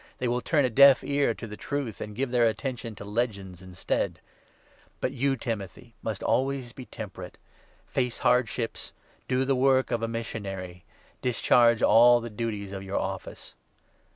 They will turn a deaf ear to the Truth, and give their attention 4 to legends instead. But you, Timothy, must always be 5 temperate. Face hardships ; do the work of a Missionary ; discharge all the duties of your Office.